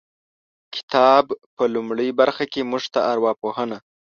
کتاب په لومړۍ برخه کې موږ ته ارواپوهنه